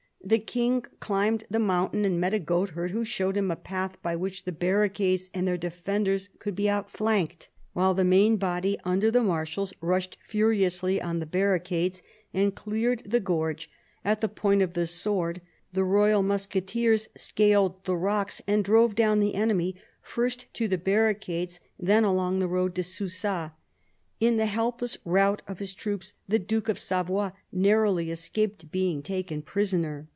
The King climbed the mountain and met a goatherd, who showed him a path by which the barricades and their defenders could be out flanked. While the main body, under the marshals, rushed furiously on the barricades and cleared the gorge at the point of the sword, the royal musketeers scaled the rocks and drove down the enemy, first to the barricades, then along the road to Susa. In the helpless rout of his troops the Duke of Savoy narrowly escaped being taken prisoner.